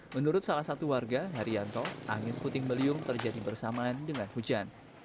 menurut salah satu warga haryanto angin puting beliung terjadi bersamaan dengan hujan